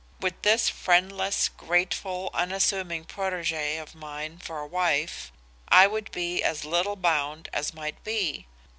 With this friendless, grateful, unassuming protegee of mine for a wife, I would be as little bound as might be.